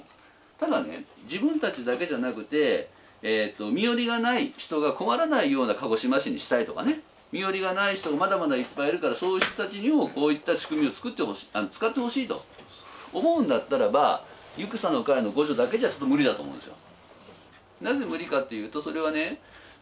ただね自分たちだけじゃなくてえと身寄りがない人が困らないような鹿児島市にしたいとかね身寄りがない人まだまだいっぱいいるからそういう人たちにもこういった仕組みを使ってほしいと思うんだったらばゆくさの会の互助だけじゃちょっと無理だと思うんですよ。